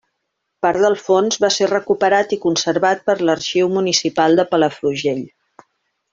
Part del fons va ser recuperat i conservat per l’Arxiu Municipal de Palafrugell.